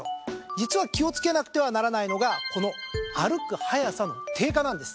実は気をつけなくてはならないのがこの歩く速さの低下なんです。